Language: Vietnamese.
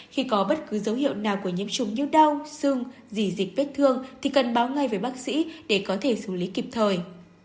khi có bất cứ dấu hiệu nào của nhiễm trùng như đau xương dì dịch vết thương thì cần báo ngay với bác sĩ để có thể xử lý kịp thời